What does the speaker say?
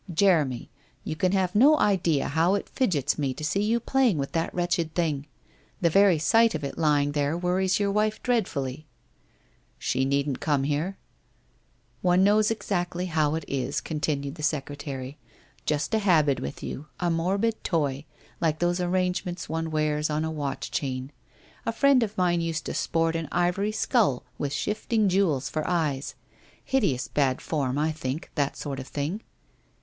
'Jeremy, you can have no idea how it fidgets me to see you playing with that wretched thing ! The very sight of it lying there worries your wife dreadfully.' ' She needn't come here.' e One knows exactly how it is,' continued the secretary ;' just a habit with you, a morbid toy, like those arrange ments one wears on a watch chain. A friend of mine used to sport an ivory skull with shifting jewels for eyes. Hideous bad form, I think, that sort of thing.'